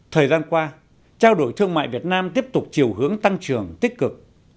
thời gian qua trao đổi thương mại việt nam tiếp tục chiều hướng tăng trưởng tích cực